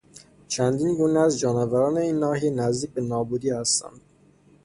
چندین گونه از جانوران این ناحیه نزدیک به نابودی هستند.